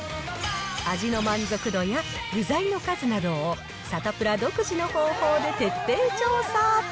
味の満足度や、具材の数などをサタプラ独自の方法で徹底調査。